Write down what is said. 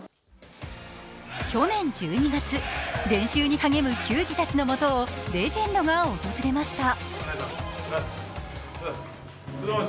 去年１２月、練習に励む球児のもとをレジェンドが訪れました。